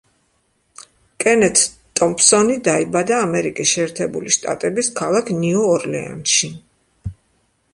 კენეთ ტომფსონი დაიბადა ამერიკის შეერთებული შტატების ქალაქ ნიუ-ორლეანში.